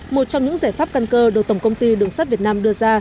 một trong những giải pháp căn cơ đầu tổng công ty đường sắt việt nam đưa ra